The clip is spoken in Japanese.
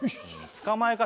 捕まえ方